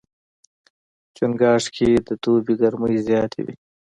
چنګاښ کې د دوبي ګرمۍ زیاتې وي.